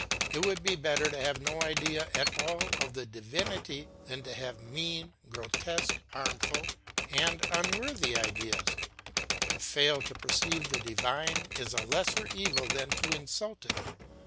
It would be better to have no idea at all of the Divinity than to have mean, grotesque, harmful, and unworthy ideas; to fail to perceive the Divine is a lesser evil than to insult it.